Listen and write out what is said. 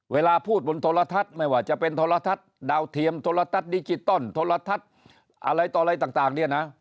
เวลาพูดบนโทรทัศน์ไม่ว่าจะเป็นโทรทัศน์ดาวเทียมโทรทัศน์ดิจิตอลโทรทัศน์อะไรต่ออะไรต่างเนี่ยนะ